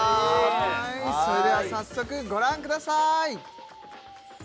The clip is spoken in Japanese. はいそれでは早速ご覧ください